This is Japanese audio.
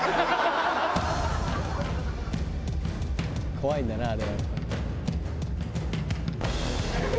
怖いんだなあれ。